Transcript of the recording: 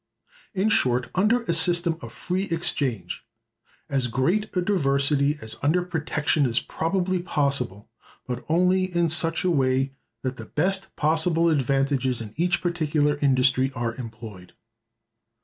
In short, under a system of free exchange, as great a diversity as under protection is probably possible, but only in such a way that the best possible advantages in each particular industry are employed.